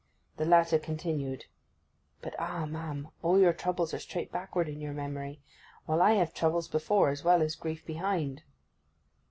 The latter continued— 'But ah, ma'am, all your troubles are straight backward in your memory—while I have troubles before as well as grief behind.